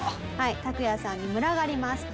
タクヤさんに群がります。